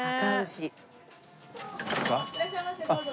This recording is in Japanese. いらっしゃいませどうぞ。